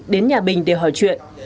đến nhà bình để hỏi chuyện